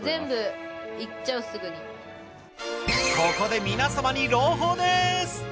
ここで皆様に朗報です。